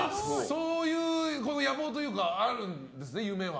そういう野望というかあるんですね、夢は。